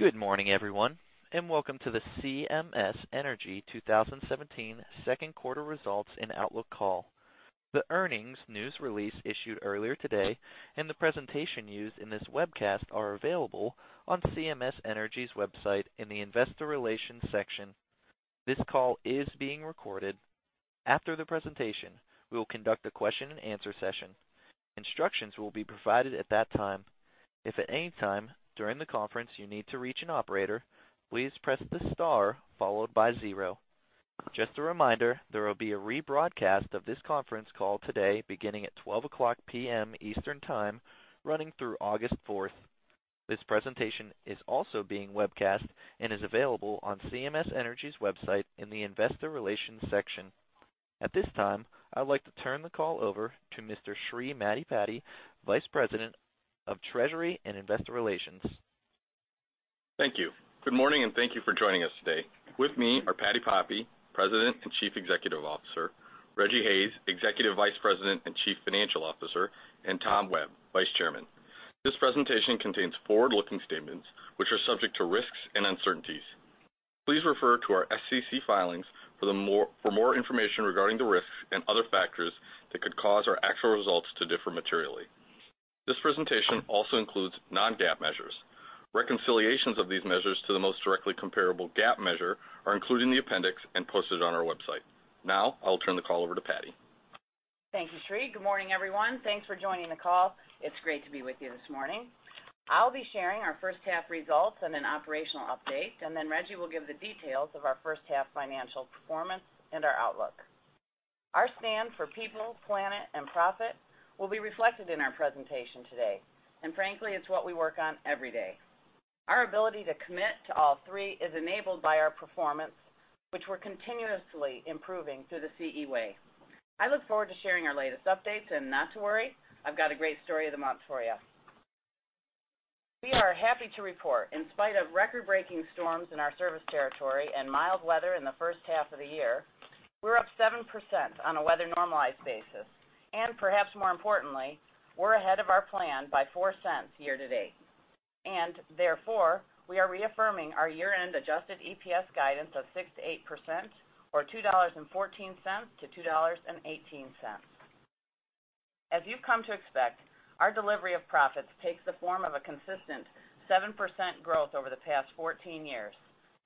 Good morning, everyone, and welcome to the CMS Energy 2017 second quarter results and outlook call. The earnings news release issued earlier today and the presentation used in this webcast are available on CMS Energy's website in the investor relations section. This call is being recorded. After the presentation, we will conduct a question and answer session. Instructions will be provided at that time. If at any time during the conference you need to reach an operator, please press the star followed by zero. Just a reminder, there will be a rebroadcast of this conference call today beginning at 12:00 P.M. Eastern Time running through August 4th. This presentation is also being webcast and is available on CMS Energy's website in the investor relations section. At this time, I would like to turn the call over to Mr. Sri Maddipati, Vice President of Treasury and Investor Relations. Thank you. Good morning, and thank you for joining us today. With me are Patti Poppe, President and Chief Executive Officer; Rejji Hayes, Executive Vice President and Chief Financial Officer; and Tom Webb, Vice Chairman. This presentation contains forward-looking statements, which are subject to risks and uncertainties. Please refer to our SEC filings for more information regarding the risks and other factors that could cause our actual results to differ materially. This presentation also includes non-GAAP measures. Reconciliations of these measures to the most directly comparable GAAP measure are included in the appendix and posted on our website. I'll turn the call over to Patti. Thank you, Sri. Good morning, everyone. Thanks for joining the call. It's great to be with you this morning. I'll be sharing our first half results and an operational update. Rejji will give the details of our first half financial performance and our outlook. Our stand for people, planet, and profit will be reflected in our presentation today. Frankly, it's what we work on every day. Our ability to commit to all three is enabled by our performance, which we're continuously improving through the CE Way. I look forward to sharing our latest updates, and not to worry, I've got a great story of the month for you. We are happy to report, in spite of record-breaking storms in our service territory and mild weather in the first half of the year, we're up 7% on a weather normalized basis. Perhaps more importantly, we're ahead of our plan by $0.04 year-to-date. Therefore, we are reaffirming our year-end adjusted EPS guidance of 6%-8%, or $2.14-$2.18. As you've come to expect, our delivery of profits takes the form of a consistent 7% growth over the past 14 years,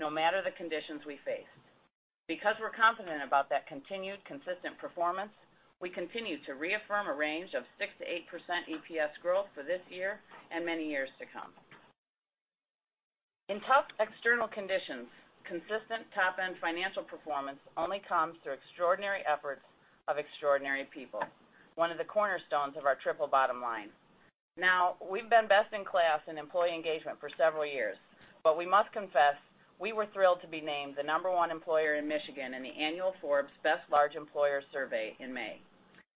no matter the conditions we face. Because we're confident about that continued consistent performance, we continue to reaffirm a range of 6%-8% EPS growth for this year and many years to come. In tough external conditions, consistent top-end financial performance only comes through extraordinary efforts of extraordinary people, one of the cornerstones of our triple bottom line. We've been best in class in employee engagement for several years. We must confess, we were thrilled to be named the number one employer in Michigan in the annual Forbes Best Large Employers survey in May.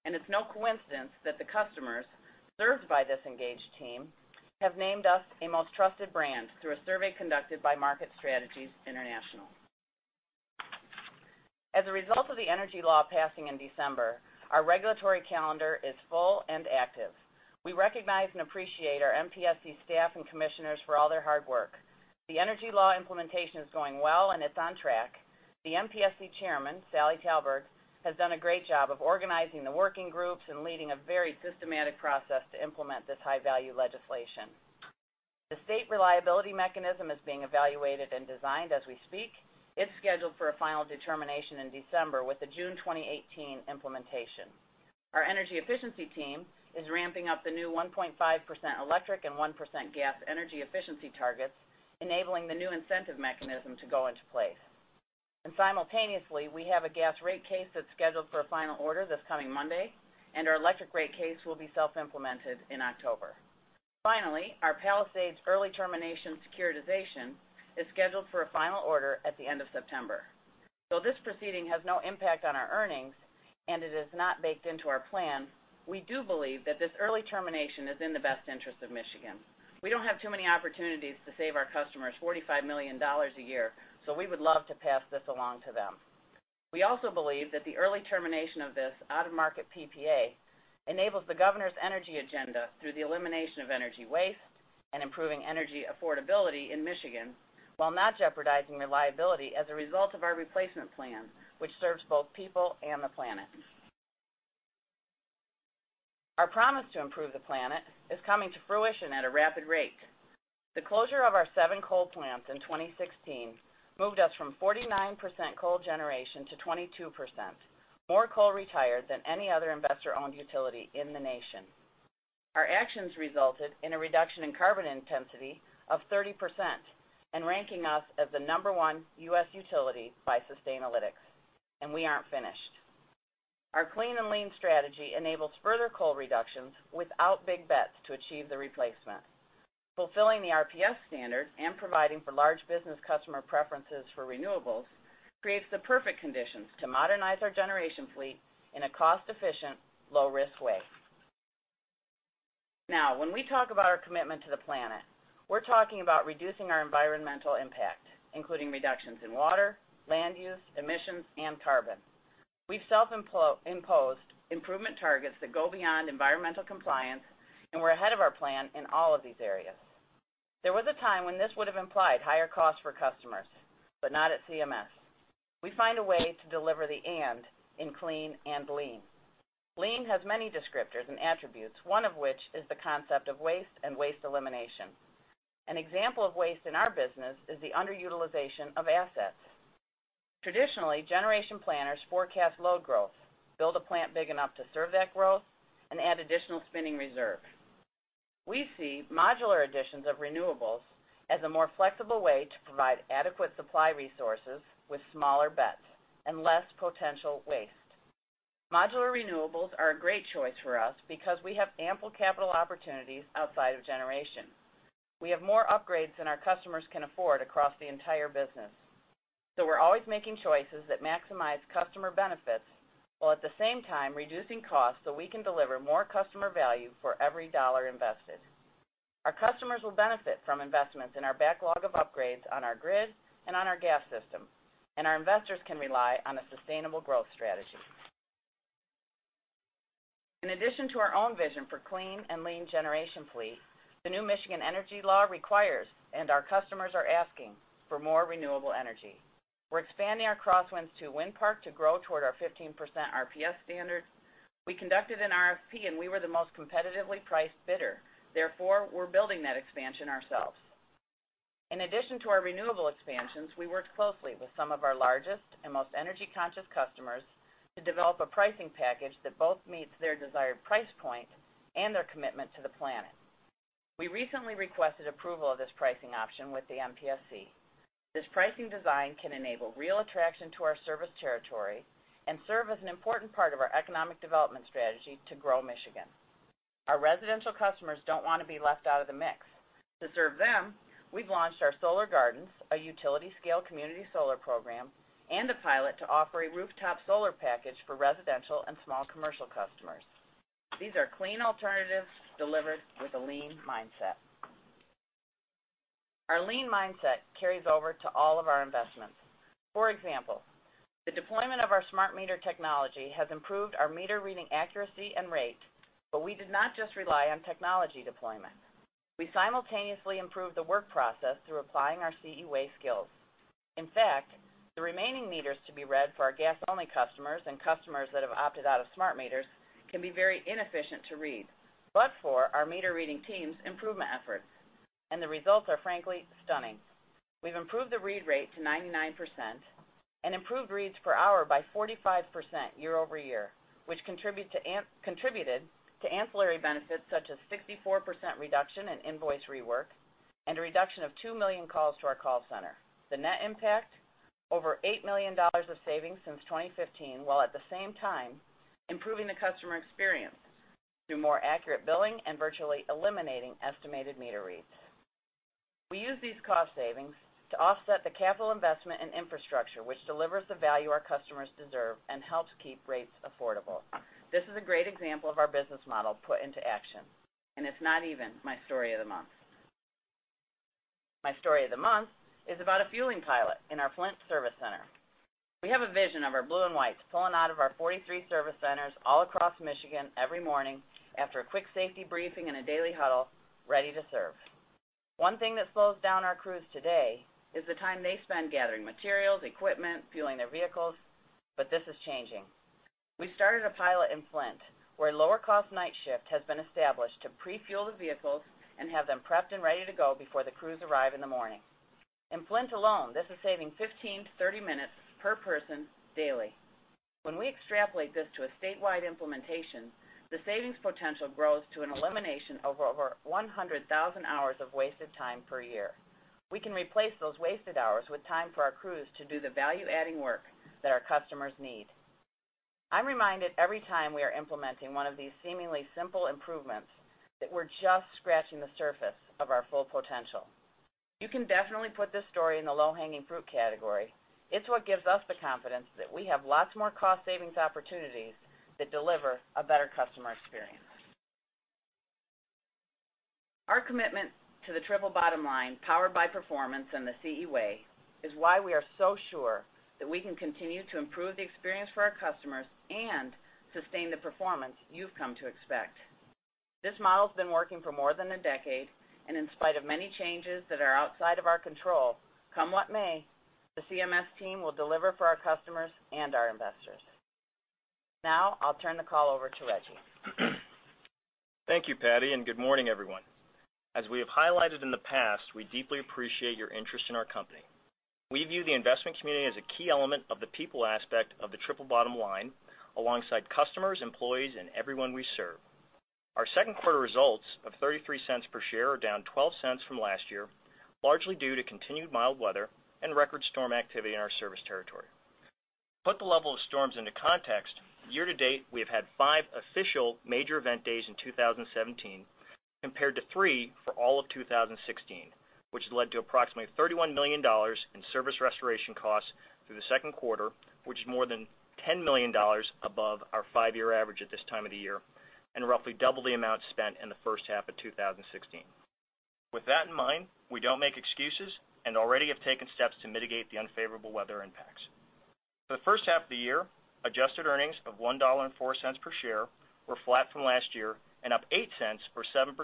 It's no coincidence that the customers served by this engaged team have named us a most trusted brand through a survey conducted by Market Strategies International. As a result of the energy law passing in December, our regulatory calendar is full and active. We recognize and appreciate our MPSC staff and commissioners for all their hard work. The energy law implementation is going well and it's on track. The MPSC chairman, Sally Talberg, has done a great job of organizing the working groups and leading a very systematic process to implement this high-value legislation. The state reliability mechanism is being evaluated and designed as we speak. It's scheduled for a final determination in December with a June 2018 implementation. Our energy efficiency team is ramping up the new 1.5% electric and 1% gas energy efficiency targets, enabling the new incentive mechanism to go into place. Simultaneously, we have a gas rate case that's scheduled for a final order this coming Monday, and our electric rate case will be self-implemented in October. Finally, our Palisades early termination securitization is scheduled for a final order at the end of September. Though this proceeding has no impact on our earnings and it is not baked into our plan, we do believe that this early termination is in the best interest of Michigan. We don't have too many opportunities to save our customers $45 million a year, so we would love to pass this along to them. We also believe that the early termination of this out-of-market PPA enables the governor's energy agenda through the elimination of energy waste and improving energy affordability in Michigan, while not jeopardizing reliability as a result of our replacement plan, which serves both people and the planet. Our promise to improve the planet is coming to fruition at a rapid rate. The closure of our seven coal plants in 2016 moved us from 49% coal generation to 22%, more coal retired than any other investor-owned utility in the U.S. Our actions resulted in a reduction in carbon intensity of 30% and ranking us as the number one U.S. utility by Sustainalytics. We aren't finished. Our Clean and Lean strategy enables further coal reductions without big bets to achieve the replacement. Fulfilling the RPS standard and providing for large business customer preferences for renewables creates the perfect conditions to modernize our generation fleet in a cost-efficient, low-risk way. When we talk about our commitment to the planet, we're talking about reducing our environmental impact, including reductions in water, land use, emissions, and carbon. We've self-imposed improvement targets that go beyond environmental compliance, and we're ahead of our plan in all of these areas. There was a time when this would have implied higher costs for customers, but not at CMS. We find a way to deliver the and in Clean and Lean. Lean has many descriptors and attributes, one of which is the concept of waste and waste elimination. An example of waste in our business is the underutilization of assets. Traditionally, generation planners forecast load growth, build a plant big enough to serve that growth, and add additional spinning reserve. We see modular additions of renewables as a more flexible way to provide adequate supply resources with smaller bets and less potential waste. Modular renewables are a great choice for us because we have ample capital opportunities outside of generation. We have more upgrades than our customers can afford across the entire business. We're always making choices that maximize customer benefits, while at the same time reducing costs so we can deliver more customer value for every dollar invested. Our customers will benefit from investments in our backlog of upgrades on our grid and on our gas system, and our investors can rely on a sustainable growth strategy. In addition to our own vision for Clean and Lean generation fleet, the new Michigan energy law requires, and our customers are asking, for more renewable energy. We're expanding our Cross Winds II wind park to grow toward our 15% RPS standard. We conducted an RFP and we were the most competitively priced bidder. We're building that expansion ourselves. In addition to our renewable expansions, we worked closely with some of our largest and most energy-conscious customers to develop a pricing package that both meets their desired price point and their commitment to the planet. We recently requested approval of this pricing option with the MPSC. This pricing design can enable real attraction to our service territory and serve as an important part of our economic development strategy to grow Michigan. Our residential customers don't want to be left out of the mix. To serve them, we've launched our Solar Gardens, a utility-scale community solar program, and a pilot to offer a rooftop solar package for residential and small commercial customers. These are clean alternatives delivered with a lean mindset. Our lean mindset carries over to all of our investments. For example, the deployment of our smart meter technology has improved our meter reading accuracy and rate, we did not just rely on technology deployment. We simultaneously improved the work process through applying our CE Way skills. In fact, the remaining meters to be read for our gas-only customers and customers that have opted out of smart meters can be very inefficient to read. For our meter reading team's improvement efforts and the results are frankly stunning. We've improved the read rate to 99% and improved reads per hour by 45% year-over-year, which contributed to ancillary benefits such as 64% reduction in invoice rework and a reduction of 2 million calls to our call center. The net impact, over $8 million of savings since 2015, while at the same time improving the customer experience through more accurate billing and virtually eliminating estimated meter reads. We use these cost savings to offset the capital investment in infrastructure, which delivers the value our customers deserve and helps keep rates affordable. This is a great example of our business model put into action, it's not even my story of the month. My story of the month is about a fueling pilot in our Flint service center. We have a vision of our blue and whites pulling out of our 43 service centers all across Michigan every morning after a quick safety briefing and a daily huddle, ready to serve. One thing that slows down our crews today is the time they spend gathering materials, equipment, fueling their vehicles, this is changing. We started a pilot in Flint, where lower-cost night shift has been established to pre-fuel the vehicles and have them prepped and ready to go before the crews arrive in the morning. In Flint alone, this is saving 15 to 30 minutes per person daily. When we extrapolate this to a statewide implementation, the savings potential grows to an elimination of over 100,000 hours of wasted time per year. We can replace those wasted hours with time for our crews to do the value-adding work that our customers need. I'm reminded every time we are implementing one of these seemingly simple improvements that we're just scratching the surface of our full potential. You can definitely put this story in the low-hanging fruit category. It's what gives us the confidence that we have lots more cost savings opportunities that deliver a better customer experience. Our commitment to the triple bottom line, powered by performance and the CE Way, is why we are so sure that we can continue to improve the experience for our customers and sustain the performance you've come to expect. This model's been working for more than a decade, in spite of many changes that are outside of our control, come what may, the CMS team will deliver for our customers and our investors. Now, I'll turn the call over to Rejji. Thank you, Patti. Good morning, everyone. As we have highlighted in the past, we deeply appreciate your interest in our company. We view the investment community as a key element of the people aspect of the triple bottom line, alongside customers, employees, and everyone we serve. Our second quarter results of $0.33 per share are down $0.12 from last year, largely due to continued mild weather and record storm activity in our service territory. To put the level of storms into context, year-to-date, we have had five official major event days in 2017 compared to three for all of 2016, which has led to approximately $31 million in service restoration costs through the second quarter, which is more than $10 million above our five-year average at this time of the year and roughly double the amount spent in the first half of 2016. With that in mind, we don't make excuses and already have taken steps to mitigate the unfavorable weather impacts. For the first half of the year, adjusted earnings of $1.04 per share were flat from last year and up $0.08 or 7%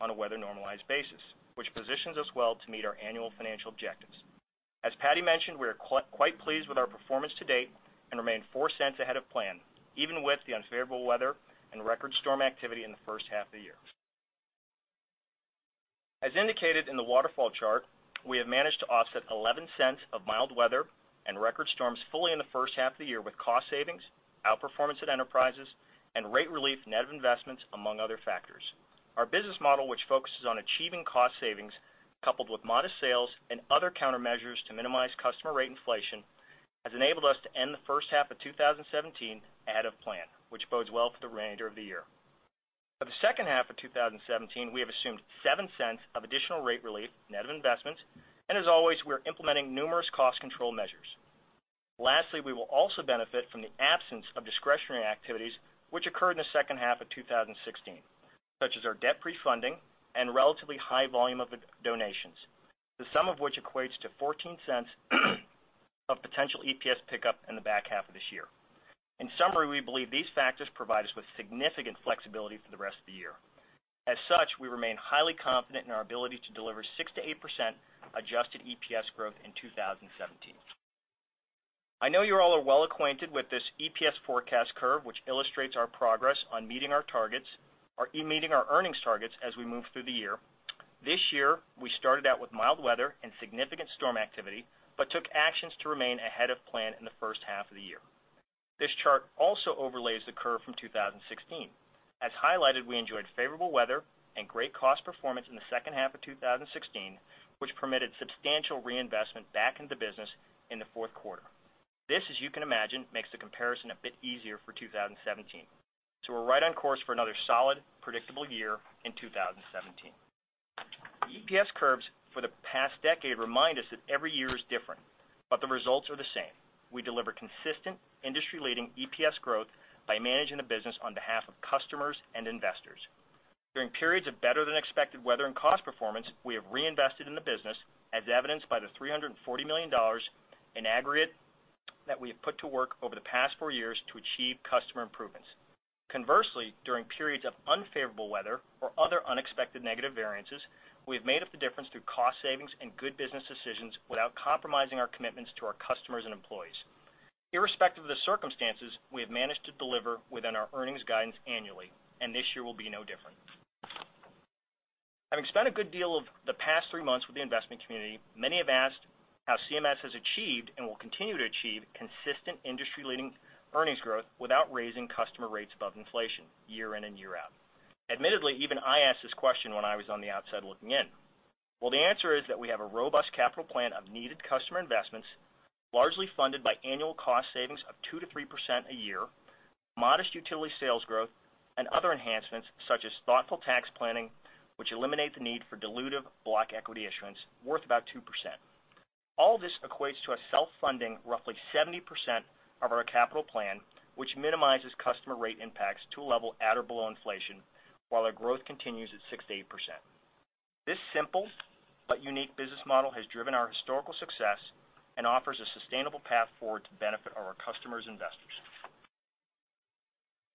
on a weather-normalized basis, which positions us well to meet our annual financial objectives. As Patti mentioned, we are quite pleased with our performance to date and remain $0.04 ahead of plan, even with the unfavorable weather and record storm activity in the first half of the year. As indicated in the waterfall chart, we have managed to offset $0.11 of mild weather and record storms fully in the first half of the year with cost savings, outperformance at enterprises, and rate relief net of investments, among other factors. Our business model, which focuses on achieving cost savings coupled with modest sales and other countermeasures to minimize customer rate inflation, has enabled us to end the first half of 2017 ahead of plan, which bodes well for the remainder of the year. For the second half of 2017, we have assumed $0.07 of additional rate relief net of investments, and as always, we are implementing numerous cost control measures. Lastly, we will also benefit from the absence of discretionary activities which occurred in the second half of 2016, such as our debt pre-funding and relatively high volume of donations, the sum of which equates to $0.14 of potential EPS pickup in the back half of this year. In summary, we believe these factors provide us with significant flexibility for the rest of the year. We remain highly confident in our ability to deliver 6%-8% adjusted EPS growth in 2017. I know you all are well acquainted with this EPS forecast curve, which illustrates our progress on meeting our earnings targets as we move through the year. This year, we started out with mild weather and significant storm activity but took actions to remain ahead of plan in the first half of the year. This chart also overlays the curve from 2016. As highlighted, we enjoyed favorable weather and great cost performance in the second half of 2016, which permitted substantial reinvestment back into the business in the fourth quarter. This, as you can imagine, makes the comparison a bit easier for 2017. We're right on course for another solid, predictable year in 2017. EPS curves for the past decade remind us that every year is different, but the results are the same. We deliver consistent, industry-leading EPS growth by managing the business on behalf of customers and investors. During periods of better-than-expected weather and cost performance, we have reinvested in the business, as evidenced by the $340 million in aggregate that we have put to work over the past four years to achieve customer improvements. Conversely, during periods of unfavorable weather or other unexpected negative variances, we have made up the difference through cost savings and good business decisions without compromising our commitments to our customers and employees. Irrespective of the circumstances, we have managed to deliver within our earnings guidance annually, this year will be no different. Having spent a good deal of the past three months with the investment community, many have asked how CMS has achieved and will continue to achieve consistent industry-leading earnings growth without raising customer rates above inflation year in and year out. Admittedly, even I asked this question when I was on the outside looking in. The answer is that we have a robust capital plan of needed customer investments, largely funded by annual cost savings of 2%-3% a year, modest utility sales growth, and other enhancements such as thoughtful tax planning, which eliminate the need for dilutive block equity issuance worth about 2%. All this equates to us self-funding roughly 70% of our capital plan, which minimizes customer rate impacts to a level at or below inflation while our growth continues at 6%-8%. This simple but unique business model has driven our historical success and offers a sustainable path forward to benefit our customers and investors.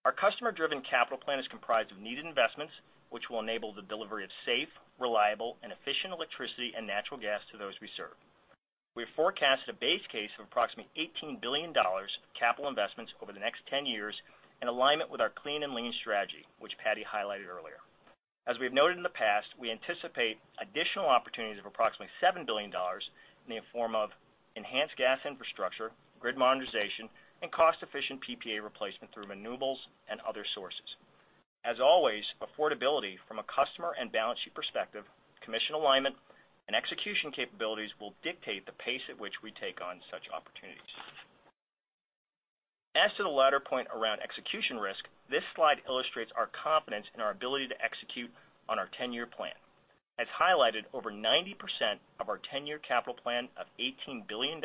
Our customer-driven capital plan is comprised of needed investments, which will enable the delivery of safe, reliable, and efficient electricity and natural gas to those we serve. We have forecasted a base case of approximately $18 billion capital investments over the next 10 years in alignment with our Clean and Lean strategy, which Patti highlighted earlier. As we have noted in the past, we anticipate additional opportunities of approximately $7 billion in the form of enhanced gas infrastructure, grid modernization, and cost-efficient PPA replacement through renewables and other sources. As always, affordability from a customer and balance sheet perspective, commission alignment, and execution capabilities will dictate the pace at which we take on such opportunities. To the latter point around execution risk, this slide illustrates our confidence in our ability to execute on our 10-year plan. Highlighted, over 90% of our 10-year capital plan of $18 billion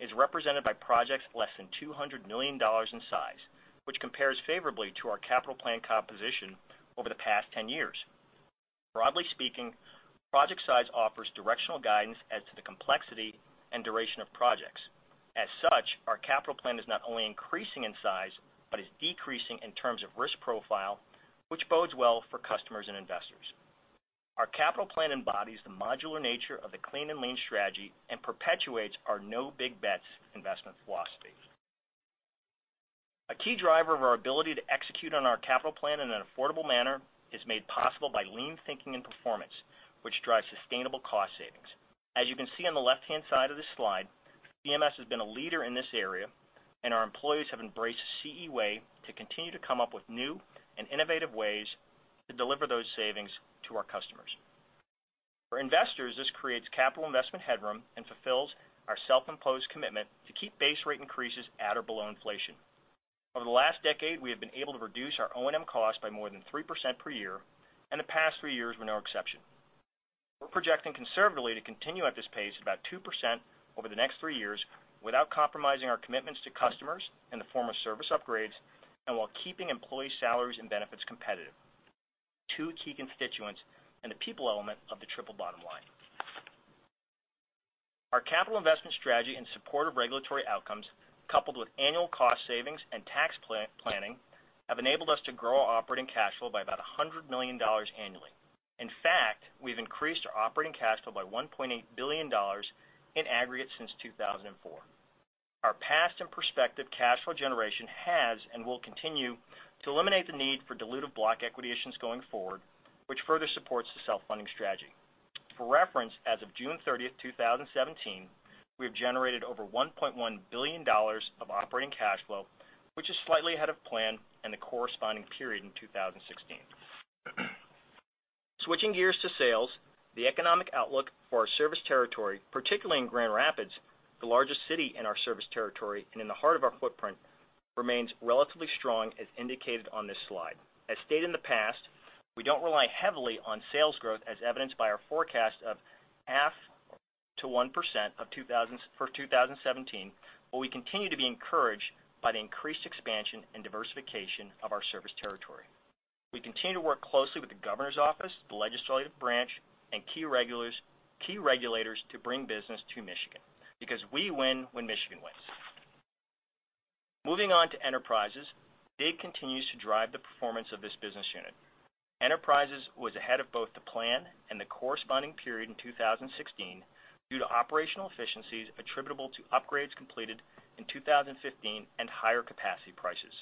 is represented by projects less than $200 million in size, which compares favorably to our capital plan composition over the past 10 years. Broadly speaking, project size offers directional guidance as to the complexity and duration of projects. Such, our capital plan is not only increasing in size but is decreasing in terms of risk profile, which bodes well for customers and investors. Our capital plan embodies the modular nature of the Clean and Lean strategy and perpetuates our No Big Bets investment philosophy. A key driver of our ability to execute on our capital plan in an affordable manner is made possible by lean thinking and performance, which drives sustainable cost savings. You can see on the left-hand side of this slide, CMS has been a leader in this area, Our employees have embraced CE Way to continue to come up with new and innovative ways to deliver those savings to our customers. For investors, this creates capital investment headroom and fulfills our self-imposed commitment to keep base rate increases at or below inflation. Over the last decade, we have been able to reduce our O&M cost by more than 3% per year, The past three years were no exception. We're projecting conservatively to continue at this pace at about 2% over the next three years without compromising our commitments to customers in the form of service upgrades While keeping employee salaries and benefits competitive, two key constituents and the people element of the triple bottom line. Our capital investment strategy in support of regulatory outcomes, coupled with annual cost savings and tax planning, have enabled us to grow our operating cash flow by about $100 million annually. In fact, we've increased our operating cash flow by $1.8 billion in aggregate since 2004. Our past and prospective cash flow generation has, and will continue, to eliminate the need for dilutive block equity issues going forward, which further supports the self-funding strategy. For reference, as of June 30, 2017, we have generated over $1.1 billion of operating cash flow, which is slightly ahead of plan in the corresponding period in 2016. Switching gears to sales, the economic outlook for our service territory, particularly in Grand Rapids, the largest city in our service territory and in the heart of our footprint, remains relatively strong as indicated on this slide. As stated in the past, we don't rely heavily on sales growth, as evidenced by our forecast of half to 1% for 2017, but we continue to be encouraged by the increased expansion and diversification of our service territory. We continue to work closely with the governor's office, the legislative branch, and key regulators to bring business to Michigan, because we win when Michigan wins. Moving on to enterprises. DIG continues to drive the performance of this business unit. Enterprises was ahead of both the plan and the corresponding period in 2016 due to operational efficiencies attributable to upgrades completed in 2015 and higher capacity prices.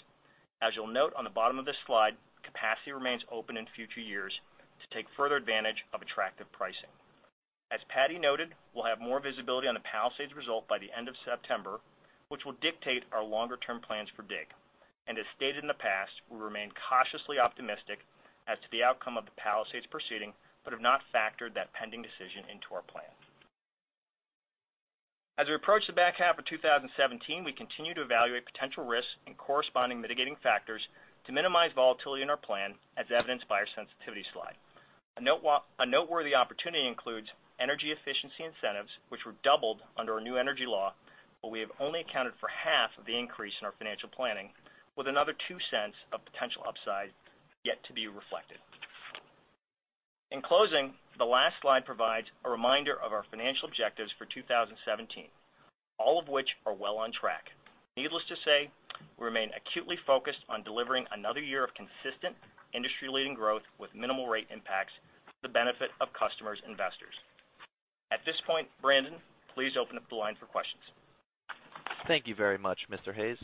As you'll note on the bottom of this slide, capacity remains open in future years to take further advantage of attractive pricing. As Patti noted, we'll have more visibility on the Palisades result by the end of September, which will dictate our longer-term plans for DIG. As stated in the past, we remain cautiously optimistic as to the outcome of the Palisades proceeding, but have not factored that pending decision into our plan. As we approach the back half of 2017, we continue to evaluate potential risks and corresponding mitigating factors to minimize volatility in our plan, as evidenced by our sensitivity slide. A noteworthy opportunity includes energy efficiency incentives, which were doubled under our new energy law, but we have only accounted for half of the increase in our financial planning, with another $0.02 of potential upside yet to be reflected. In closing, the last slide provides a reminder of our financial objectives for 2017, all of which are well on track. Needless to say, we remain acutely focused on delivering another year of consistent industry-leading growth with minimal rate impacts to the benefit of customers, investors. At this point, Brandon, please open up the line for questions. Thank you very much, Mr. Hayes.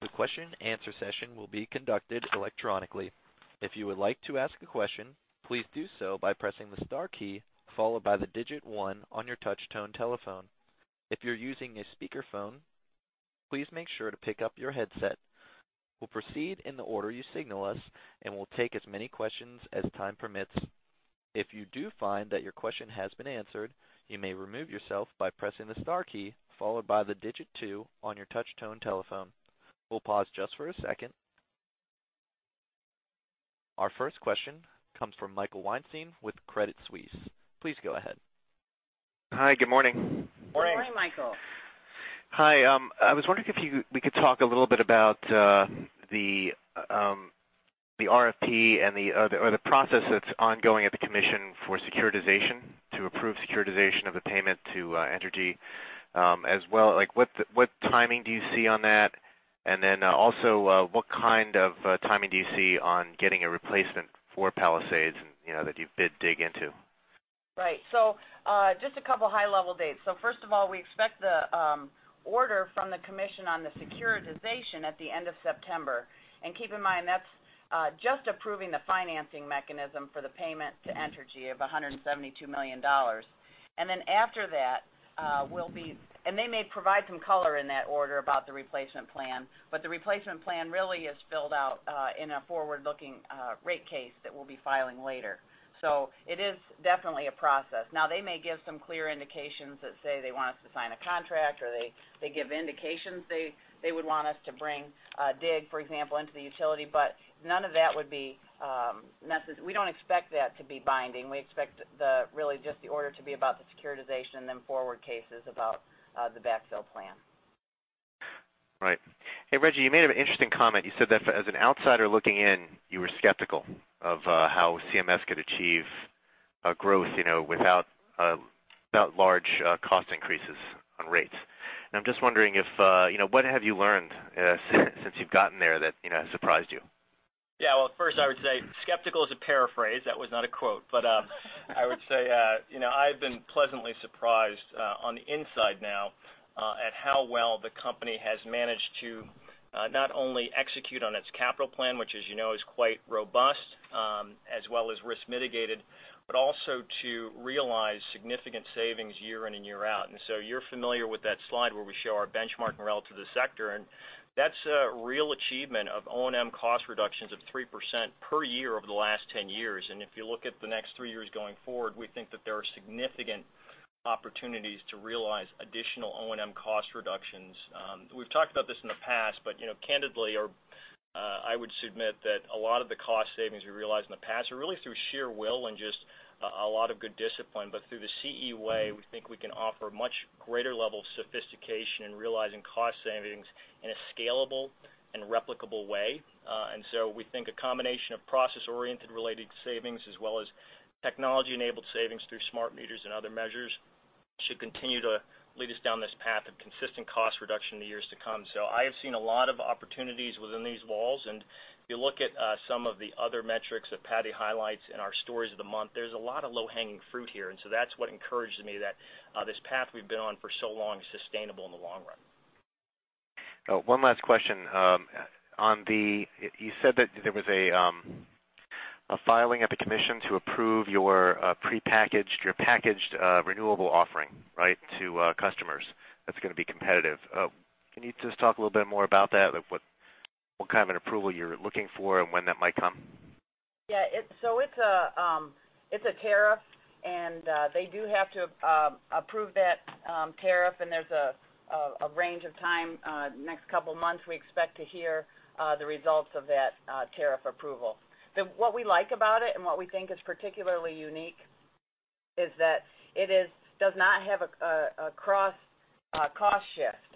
The question answer session will be conducted electronically. If you would like to ask a question, please do so by pressing the star key followed by the digit 1 on your touch-tone telephone. If you're using a speakerphone, please make sure to pick up your headset. We'll proceed in the order you signal us, and we'll take as many questions as time permits. If you do find that your question has been answered, you may remove yourself by pressing the star key followed by the digit 2 on your touch-tone telephone. We'll pause just for a second. Our first question comes from Michael Weinstein with Credit Suisse. Please go ahead. Hi, good morning. Morning. Good morning, Michael. Hi. I was wondering if we could talk a little bit about the RFP and the other processes ongoing at the commission for securitization to approve securitization of the payment to Entergy as well. What timing do you see on that? Then also, what kind of timing do you see on getting a replacement for Palisades that you bid DIG into? Right. Just a couple of high-level dates. First of all, we expect the order from the commission on the securitization at the end of September. Keep in mind, that's just approving the financing mechanism for the payment to Entergy of $172 million. They may provide some color in that order about the replacement plan, but the replacement plan really is built out in a forward-looking rate case that we'll be filing later. It is definitely a process. Now they may give some clear indications that say they want us to sign a contract, or they give indications they would want us to bring DIG, for example, into the utility. None of that would be necessary. We don't expect that to be binding. We expect really just the order to be about the securitization. Forward cases about the backfill plan. Right. Hey, Rejji, you made an interesting comment. You said that as an outsider looking in, you were skeptical of how CMS could achieve growth without large cost increases on rates. I'm just wondering, what have you learned since you've gotten there that has surprised you? Well, first, I would say skeptical is a paraphrase. That was not a quote. I would say I've been pleasantly surprised on the inside now at how well the company has managed to not only execute on its capital plan, which as you know, is quite robust, as well as risk mitigated, but also to realize significant savings year in and year out. You're familiar with that slide where we show our benchmark relative to sector, and that's a real achievement of O&M cost reductions of 3% per year over the last 10 years. If you look at the next three years going forward, we think that there are significant opportunities to realize additional O&M cost reductions. We've talked about this in the past, candidly, I would submit that a lot of the cost savings we realized in the past are really through sheer will and just a lot of good discipline. Through the CE Way, we think we can offer much greater levels of sophistication in realizing cost savings in a scalable and replicable way. We think a combination of process-oriented related savings as well as technology-enabled savings through smart meters and other measures should continue to lead us down this path of consistent cost reduction in the years to come. I have seen a lot of opportunities within these walls, and if you look at some of the other metrics that Patti highlights in our stories of the month, there's a lot of low-hanging fruit here. That's what encourages me that this path we've been on for so long is sustainable in the long run. One last question. You said that there was a filing at the Commission to approve your packaged renewable offering to customers that's going to be competitive. Can you just talk a little bit more about that? What kind of an approval you're looking for and when that might come? It's a tariff, and they do have to approve that tariff, and there's a range of time. Next couple of months, we expect to hear the results of that tariff approval. What we like about it and what we think is particularly unique is that it does not have a cost shift.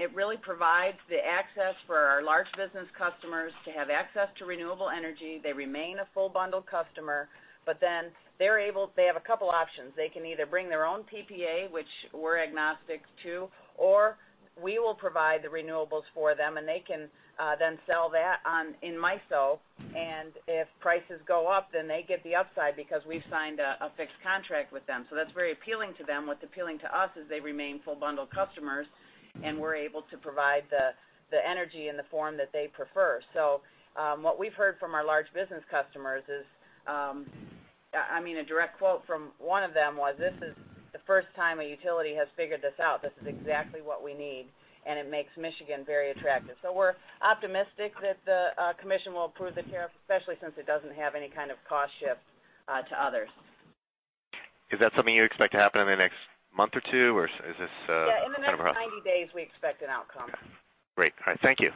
It really provides the access for our large business customers to have access to renewable energy. They remain a full bundle customer, but then they have a couple options. They can either bring their own PPA, which we're agnostic to, or we will provide the renewables for them, and they can then sell that in MISO. If prices go up, then they get the upside because we've signed a fixed contract with them. That's very appealing to them. What's appealing to us is they remain full bundle customers, and we're able to provide the energy in the form that they prefer. What we've heard from our large business customers is, a direct quote from one of them was, "This is the first time a utility has figured this out. This is exactly what we need, and it makes Michigan very attractive." We're optimistic that the Commission will approve the tariff, especially since it doesn't have any kind of cost shift to others. Is that something you expect to happen in the next month or two, or is this kind of- Yeah, in the next 90 days, we expect an outcome. Okay. Great. All right. Thank you.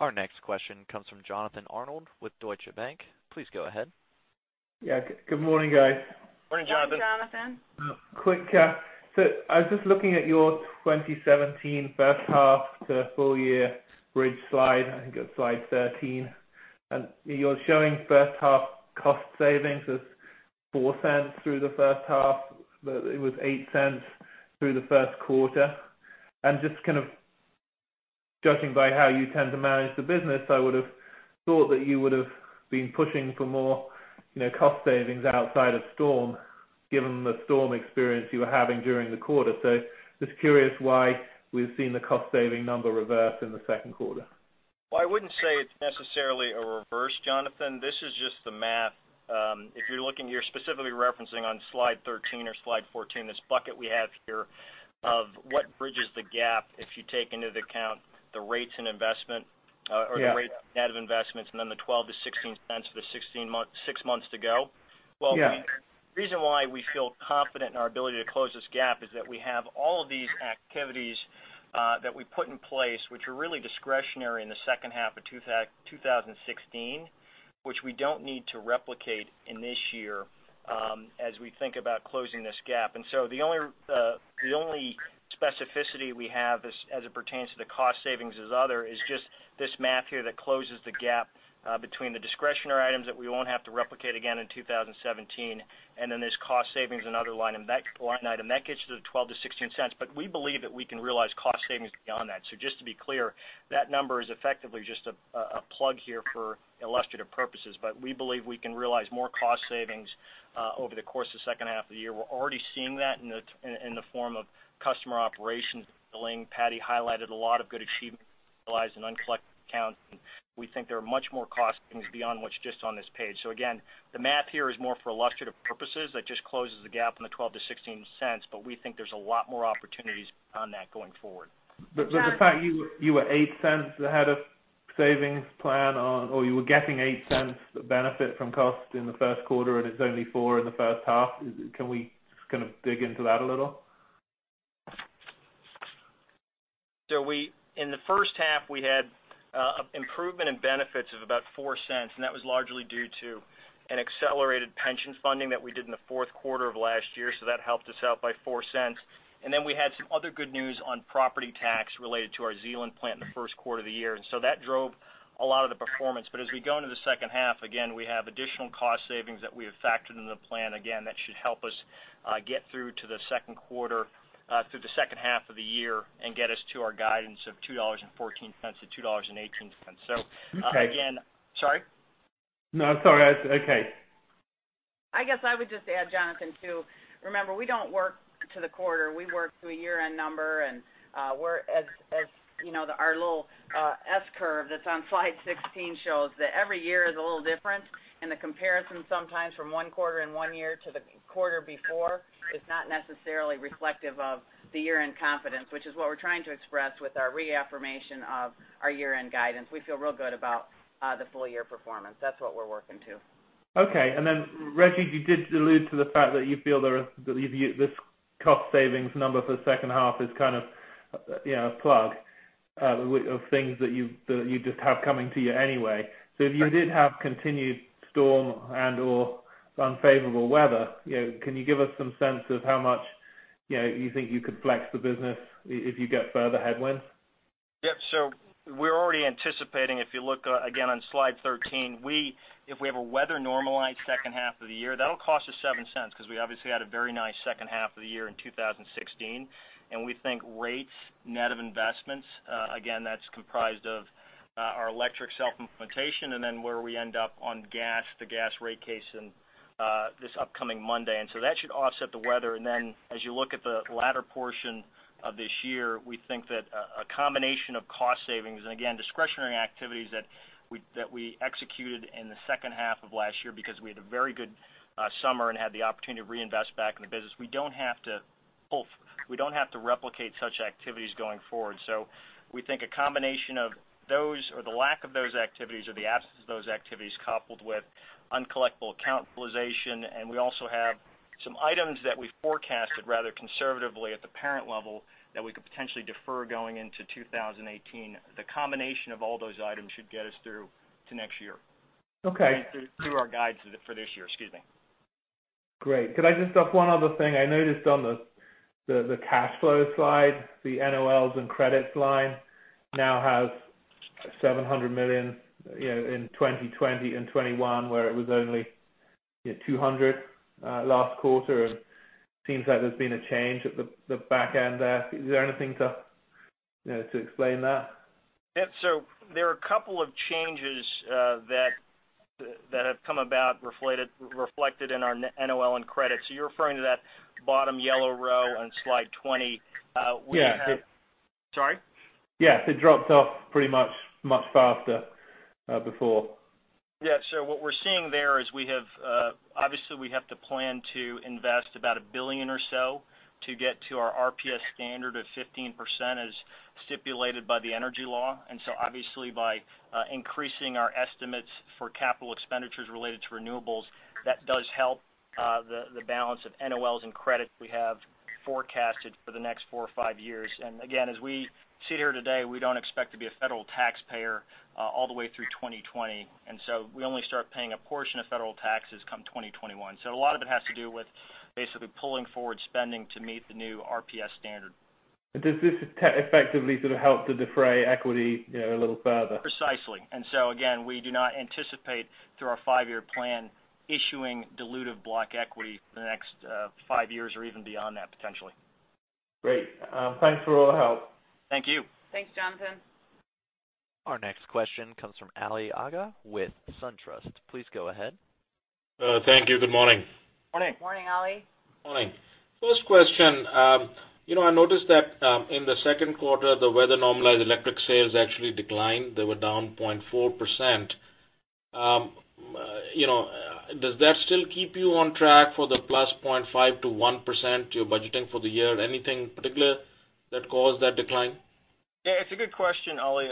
Our next question comes from Jonathan Arnold with Deutsche Bank. Please go ahead. Yeah. Good morning, guys. Morning, Jonathan. Morning, Jonathan. Quick. I was just looking at your 2017 first half to full year bridge slide, I think it's slide 13. You're showing first half cost savings as $0.04 through the first half. It was $0.08 through the first quarter. Just kind of judging by how you tend to manage the business, I would've thought that you would've been pushing for more cost savings outside of storm, given the storm experience you were having during the quarter. Just curious why we've seen the cost-saving number reverse in the second quarter. Well, I wouldn't say it's necessarily a reverse, Jonathan. This is just the math. If you're looking, you're specifically referencing on slide 13 or slide 14, this bucket we have here of what bridges the gap if you take into account the rates and investment- Yeah The rate of net investments and then the $0.12 to $0.16 for the six months to go. Yeah. Well, the reason why we feel confident in our ability to close this gap is that we have all of these activities that we put in place, which were really discretionary in the second half of 2016. Which we don't need to replicate in this year as we think about closing this gap. The only specificity we have as it pertains to the cost savings as other, is just this math here that closes the gap between the discretionary items that we won't have to replicate again in 2017. This cost savings and other line item. That gets to the $0.12 to $0.16. We believe that we can realize cost savings beyond that. Just to be clear, that number is effectively just a plug here for illustrative purposes. We believe we can realize more cost savings over the course of the second half of the year. We're already seeing that in the form of customer operations billing. Patti highlighted a lot of good achievements realized in uncollected accounts. We think there are much more cost savings beyond what's just on this page. Again, the math here is more for illustrative purposes. That just closes the gap on the $0.12 to $0.16, we think there's a lot more opportunities beyond that going forward. Jonathan- The fact you were $0.08 ahead of savings plan on, or you were getting $0.08 benefit from cost in the first quarter, and it's only $0.04 in the first half. Can we kind of dig into that a little? In the first half, we had improvement in benefits of about $0.04, and that was largely due to an accelerated pension funding that we did in the fourth quarter of last year. That helped us out by $0.04. We had some other good news on property tax related to our Zeeland plant in the first quarter of the year. That drove a lot of the performance. As we go into the second half, again, we have additional cost savings that we have factored into the plan. Again, that should help us get through to the second half of the year and get us to our guidance of $2.14-$2.18. Okay. Sorry? No, sorry. That's okay. I guess I would just add, Jonathan, too. Remember, we don't work to the quarter. We work to a year-end number, and as our little S-curve that's on slide 16 shows, that every year is a little different, and the comparison sometimes from one quarter and one year to the quarter before is not necessarily reflective of the year-end confidence, which is what we're trying to express with our reaffirmation of our year-end guidance. We feel real good about the full-year performance. That's what we're working to. Okay. Rejji, you did allude to the fact that you feel this cost savings number for the second half is kind of a plug. Of things that you just have coming to you anyway. If you did have continued storm and/or unfavorable weather, can you give us some sense of how much you think you could flex the business if you get further headwinds? Yep. We're already anticipating, if you look again on slide 13, if we have a weather-normalized second half of the year, that'll cost us $0.07 because we obviously had a very nice second half of the year in 2016, and we think rates net of investments, again, that's comprised of our electric self-implementation and then where we end up on gas, the gas rate case in this upcoming Monday. That should offset the weather. As you look at the latter portion of this year, we think that a combination of cost savings and again, discretionary activities that we executed in the second half of last year because we had a very good summer and had the opportunity to reinvest back in the business. We don't have to replicate such activities going forward. We think a combination of those, or the lack of those activities or the absence of those activities coupled with uncollectible account utilization, and we also have some items that we forecasted rather conservatively at the parent level that we could potentially defer going into 2018. The combination of all those items should get us through to next year. Okay. Through our guides for this year, excuse me. Great. Could I just have one other thing? I noticed on the cash flow slide, the NOLs and credits line now has $700 million in 2020 and 2021, where it was only $200 million last quarter. It seems like there's been a change at the back end there. Is there anything to explain that? There are a couple of changes that have come about reflected in our NOL and credits. You're referring to that bottom yellow row on slide 20. Yeah. Sorry? Yes. It dropped off pretty much faster before. Yeah. What we're seeing there is obviously we have to plan to invest about $1 billion or so to get to our RPS standard of 15% as stipulated by the energy law. Obviously by increasing our estimates for capital expenditures related to renewables, that does help the balance of NOLs and credits we have forecasted for the next four or five years. Again, as we sit here today, we don't expect to be a federal taxpayer all the way through 2020. We only start paying a portion of federal taxes come 2021. A lot of it has to do with basically pulling forward spending to meet the new RPS standard. Does this effectively sort of help to defray equity a little further? Precisely. Again, we do not anticipate through our five-year plan, issuing dilutive block equity for the next five years or even beyond that potentially. Great. Thanks for all the help. Thank you. Thanks, Jonathan. Our next question comes from Ali Agha with SunTrust. Please go ahead. Thank you. Good morning. Morning. Morning, Ali. Morning. First question. I noticed that in the second quarter, the weather-normalized electric sales actually declined. They were down 0.4%. Does that still keep you on track for the +0.5% to 1% you're budgeting for the year? Anything particular that caused that decline? Yeah, it's a good question, Ali.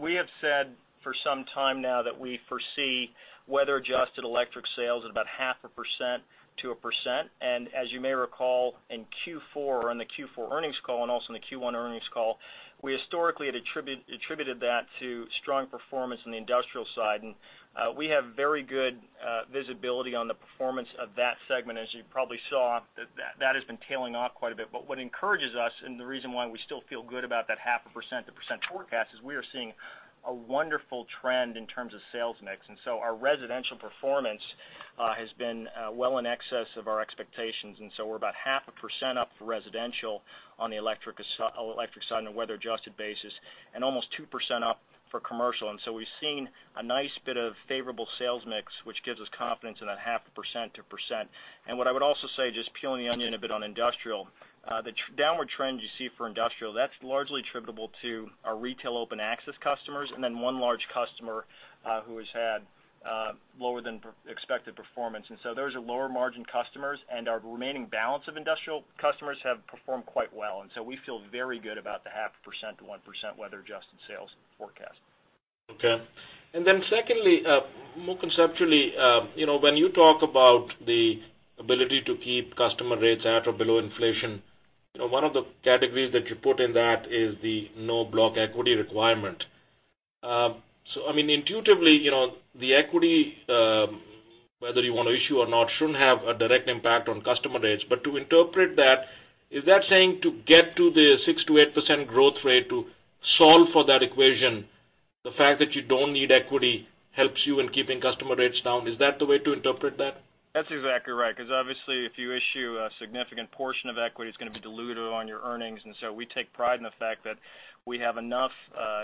We have said for some time now that we foresee weather-adjusted electric sales at about half a percent to a percent. As you may recall, in Q4 or in the Q4 earnings call and also in the Q1 earnings call, we historically had attributed that to strong performance in the industrial side. We have very good visibility on the performance of that segment. As you probably saw, that has been tailing off quite a bit. What encourages us, and the reason why we still feel good about that half a percent to percent forecast, is we are seeing a wonderful trend in terms of sales mix. Our residential performance has been well in excess of our expectations. We're about half a percent up for residential on the electric side on a weather-adjusted basis and almost 2% up for commercial. We've seen a nice bit of favorable sales mix, which gives us confidence in that half a percent to percent. What I would also say, just peeling the onion a bit on industrial, the downward trend you see for industrial, that's largely attributable to our retail open access customers and then one large customer who has had lower than expected performance. Those are lower margin customers and our remaining balance of industrial customers have performed quite well. We feel very good about the half a percent to 1% weather-adjusted sales forecast. Okay. Secondly, more conceptually, when you talk about the ability to keep customer rates at or below inflation, one of the categories that you put in that is the no block equity requirement. I mean, intuitively, the equity, whether you want to issue or not, shouldn't have a direct impact on customer rates. To interpret that, is that saying to get to the 6% to 8% growth rate to solve for that equation, the fact that you don't need equity helps you in keeping customer rates down? Is that the way to interpret that? That's exactly right because obviously if you issue a significant portion of equity, it's going to be diluted on your earnings. We take pride in the fact that we have enough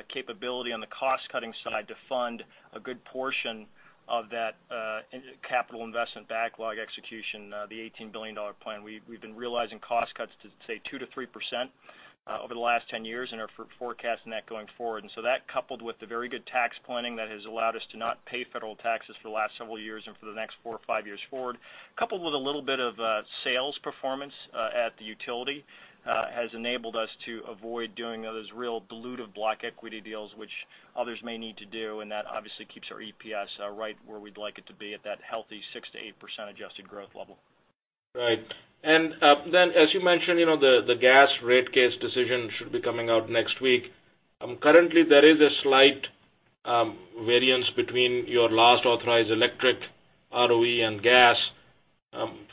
capability on the cost-cutting side to fund a good portion of that capital investment backlog execution, the $18 billion plan. We've been realizing cost cuts to, say, 2%-3% over the last 10 years and are forecasting that going forward. That coupled with the very good tax planning that has allowed us to not pay federal taxes for the last several years and for the next four or five years forward, coupled with a little bit of sales performance at the utility has enabled us to avoid doing those real dilutive block equity deals, which others may need to do. That obviously keeps our EPS right where we'd like it to be at that healthy 6%-8% adjusted growth level. Right. As you mentioned, the gas rate case decision should be coming out next week. Currently, there is a slight variance between your last authorized electric ROE and gas.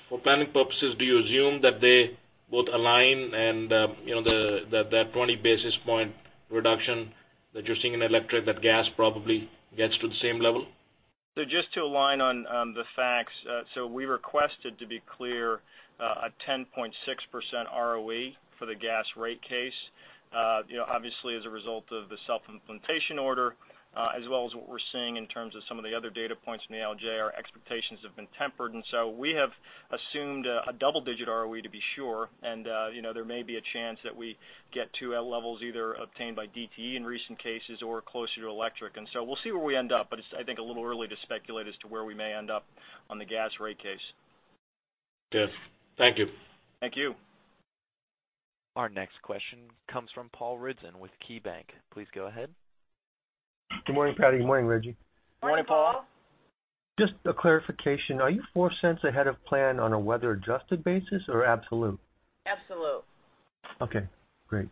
For planning purposes, do you assume that they both align and that 20-basis-point reduction that you're seeing in electric, that gas probably gets to the same level? Just to align on the facts. We requested, to be clear, a 10.6% ROE for the gas rate case. Obviously, as a result of the self-implementation order, as well as what we're seeing in terms of some of the other data points from the ALJ, expectations have been tempered. We have assumed a double-digit ROE to be sure, and there may be a chance that we get to levels either obtained by DTE Energy in recent cases or closer to electric. We'll see where we end up, but it's, I think, a little early to speculate as to where we may end up on the gas rate case. Yes. Thank you. Thank you. Our next question comes from Paul Ridzon with KeyBanc. Please go ahead. Good morning, Patti. Good morning, Rejji. Morning, Paul. Just a clarification. Are you $0.04 ahead of plan on a weather-adjusted basis or absolute? Absolute. Okay, great.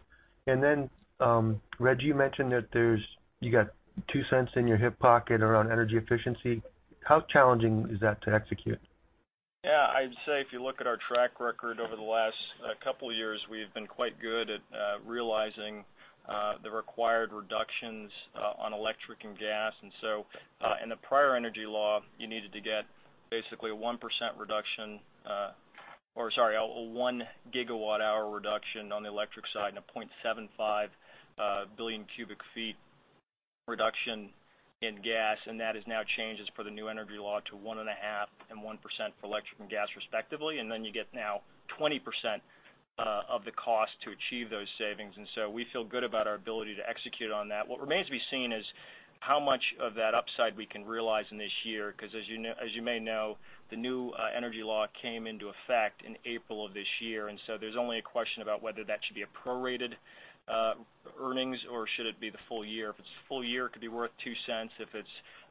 Rejji, you mentioned that you got $0.02 in your hip pocket around energy efficiency. How challenging is that to execute? Yeah, I'd say if you look at our track record over the last couple of years, we've been quite good at realizing the required reductions on electric and gas. In the prior energy law, you needed to get basically a 1% reduction or, sorry, a one gigawatt hour reduction on the electric side and a 0.75 billion cubic feet reduction in gas. That has now changed, as per the new energy law, to 1.5% and 1% for electric and gas respectively. You get now 20% of the cost to achieve those savings. We feel good about our ability to execute on that. What remains to be seen is how much of that upside we can realize in this year, because as you may know, the new energy law came into effect in April of this year. There's only a question about whether that should be a prorated earnings or should it be the full year. If it's a full year, it could be worth $0.02. If it's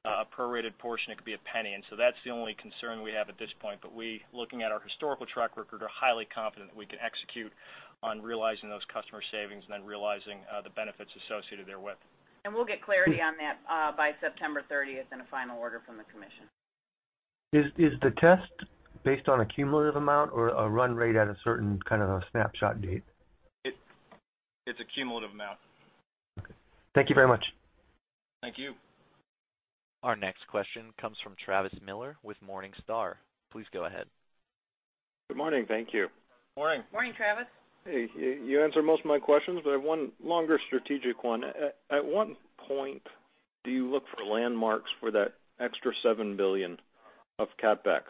a prorated portion, it could be $0.01. That's the only concern we have at this point. We, looking at our historical track record, are highly confident we can execute on realizing those customer savings and then realizing the benefits associated therewith. We'll get clarity on that by September 30th in a final order from the commission. Is the test based on a cumulative amount or a run rate at a certain kind of snapshot date? It's a cumulative amount. Okay. Thank you very much. Thank you. Our next question comes from Travis Miller with Morningstar. Please go ahead. Good morning. Thank you. Morning. Morning, Travis. Hey. You answered most of my questions, but I have one longer strategic one. At what point do you look for landmarks for that extra $7 billion of CapEx?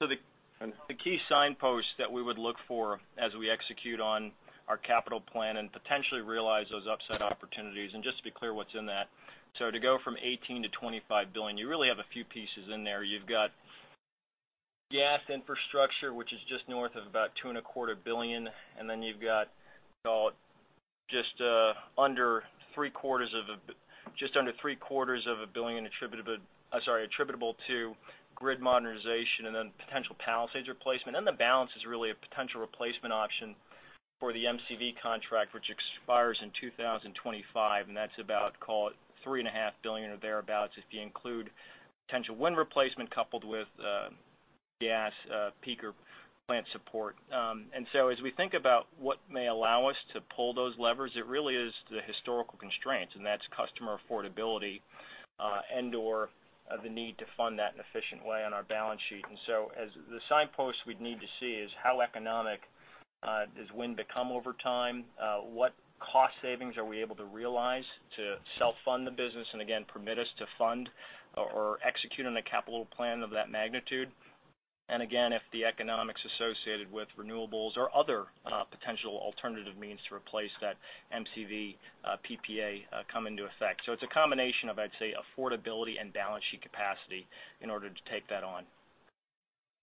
The key signpost that we would look for as we execute on our capital plan and potentially realize those upside opportunities, just to be clear what's in that. To go from $18 billion-$25 billion, you really have a few pieces in there. You've got gas infrastructure, which is just north of about $2.25 billion, and then you've got just under three-quarters of a billion attributable to grid modernization and then potential Palisades replacement. The balance is really a potential replacement option for the MCV contract, which expires in 2025, and that's about, call it, $3.5 billion or thereabouts if you include potential wind replacement coupled with gas peaker plant support. As we think about what may allow us to pull those levers, it really is the historical constraints, that's customer affordability, and/or the need to fund that in an efficient way on our balance sheet. The signpost we'd need to see is how economic does wind become over time? What cost savings are we able to realize to self-fund the business again, permit us to fund or execute on a capital plan of that magnitude? Again, if the economics associated with renewables or other potential alternative means to replace that MCV PPA come into effect. It's a combination of, I'd say, affordability and balance sheet capacity in order to take that on.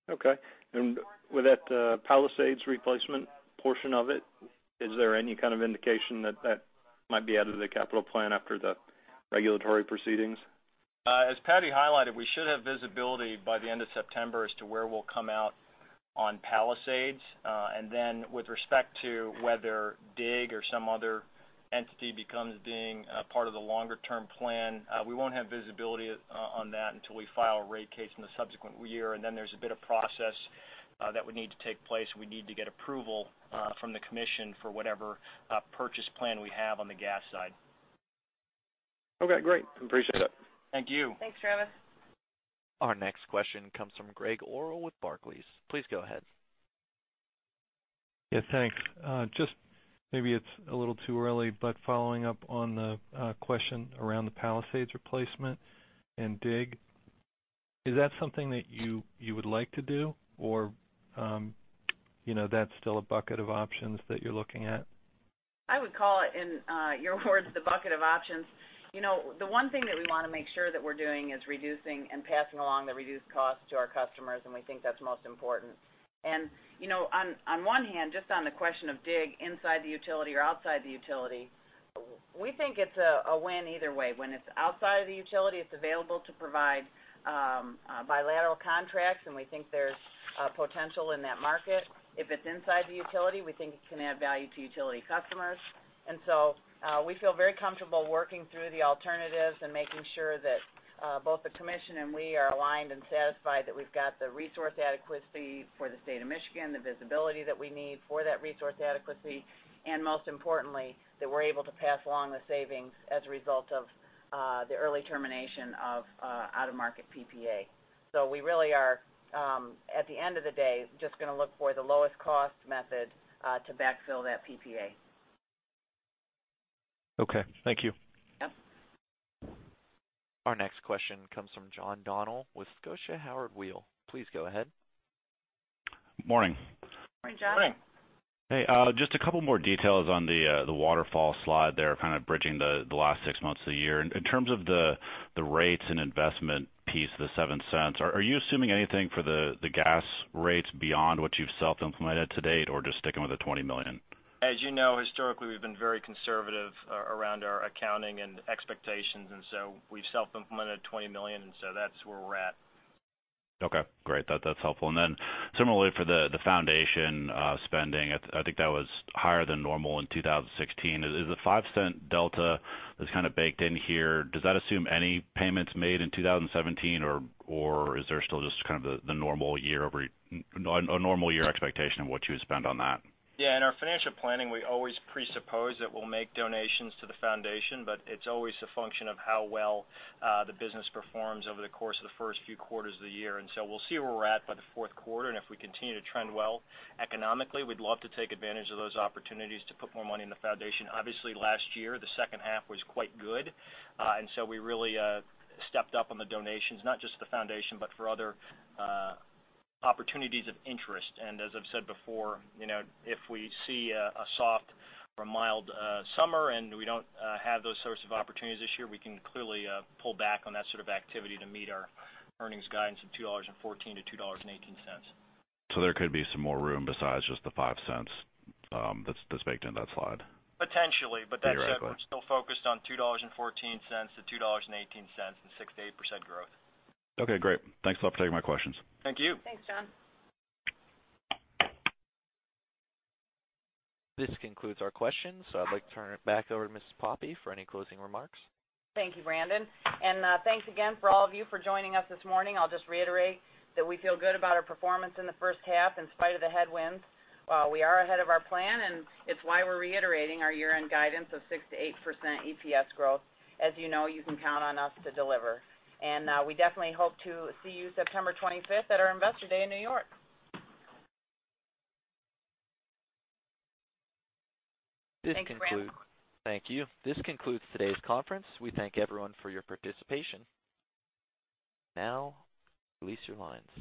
Okay. With that Palisades replacement portion of it, is there any kind of indication that that might be out of the capital plan after the regulatory proceedings? As Patti highlighted, we should have visibility by the end of September as to where we'll come out on Palisades. With respect to whether DIG or some other entity becomes being a part of the longer-term plan, we won't have visibility on that until we file a rate case in the subsequent year. There's a bit of process that would need to take place. We'd need to get approval from the commission for whatever purchase plan we have on the gas side. Okay, great. Appreciate it. Thank you. Thanks, Travis. Our next question comes from Gregg Orrill with Barclays. Please go ahead. Yes, thanks. Just maybe it's a little too early, following up on the question around the Palisades replacement and DIG. Is that something that you would like to do or that's still a bucket of options that you're looking at? I would call it, in your words, the bucket of options. The one thing that we want to make sure that we're doing is reducing and passing along the reduced cost to our customers, and we think that's most important. On one hand, just on the question of DIG inside the utility or outside the utility. We think it's a win either way. When it's outside of the utility, it's available to provide bilateral contracts, and we think there's potential in that market. If it's inside the utility, we think it can add value to utility customers. We feel very comfortable working through the alternatives and making sure that both the Commission and we are aligned and satisfied that we've got the resource adequacy for the state of Michigan, the visibility that we need for that resource adequacy, and most importantly, that we're able to pass along the savings as a result of the early termination of out-of-market PPA. We really are, at the end of the day, just going to look for the lowest cost method to backfill that PPA. Okay. Thank you. Yep. Our next question comes from John Donnell with Scotiabank Howard Weil. Please go ahead. Morning. Morning, John. Morning. Hey, just a couple more details on the waterfall slide there, kind of bridging the last six months of the year. In terms of the rates and investment piece, the $0.07, are you assuming anything for the gas rates beyond what you've self-implemented to date, or just sticking with the $20 million? As you know, historically, we've been very conservative around our accounting and expectations, we've self-implemented $20 million, that's where we're at. Okay, great. That's helpful. Similarly for the foundation spending, I think that was higher than normal in 2016. Is the $0.05 delta that's kind of baked in here, does that assume any payments made in 2017? Is there still just the normal year expectation of what you would spend on that? Yeah. In our financial planning, we always presuppose that we'll make donations to the foundation, but it's always a function of how well the business performs over the course of the first few quarters of the year. We'll see where we're at by the fourth quarter, if we continue to trend well economically, we'd love to take advantage of those opportunities to put more money in the foundation. Obviously, last year, the second half was quite good. We really stepped up on the donations, not just the foundation, but for other opportunities of interest. As I've said before, if we see a soft or mild summer and we don't have those sorts of opportunities this year, we can clearly pull back on that sort of activity to meet our earnings guidance of $2.14-$2.18. There could be some more room besides just the $0.05 that is baked into that slide? Potentially. Very roughly. That said, we are still focused on $2.14-$2.18 and 6%-8% growth. Okay, great. Thanks a lot for taking my questions. Thank you. Thanks, John. This concludes our questions. I'd like to turn it back over to Ms. Poppe for any closing remarks. Thank you, Brandon. Thanks again for all of you for joining us this morning. I'll just reiterate that we feel good about our performance in the first half in spite of the headwinds. While we are ahead of our plan, it's why we're reiterating our year-end guidance of 6%-8% EPS growth. As you know, you can count on us to deliver. We definitely hope to see you September 25th at our Investor Day in New York. Thanks, Brandon. Thank you. This concludes today's conference. We thank everyone for your participation. Please release your lines.